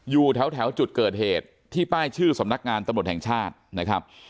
อยู่แถวจุดเกิดเหตุที่ป้ายชื่อสำนักงานตำรวจแห่งชาตินะครับ